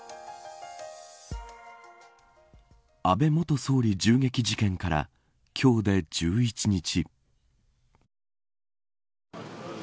安倍元総理銃撃事件から今日で１１日。